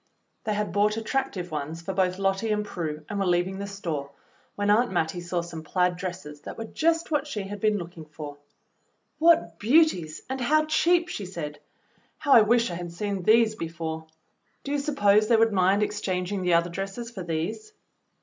They had bought attractive ones for both Lottie and Prue, and were leaving the store, when Aunt Mattie saw some plaid dresses that were just what she had been looking for. "What beauties, and how cheap!" she said. "How I wish I had seen these before! Do you suppose they would mind exchanging the other dresses for these.?"